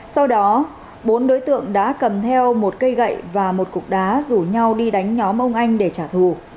sau đó bốn đối tượng đã cầm theo một cây gậy và một cục đá rủ nhau đi đánh nhóm ông anh để trả thù